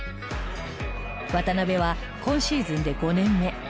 渡邊は今シーズンで５年目。